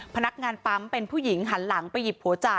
พนักงานปั๊มเป็นผู้หญิงหันหลังไปหยิบหัวจ่า